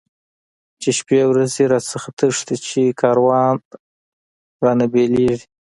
چی شپی ورځی را نه تښتی، چی کاروان را نه بیلیږی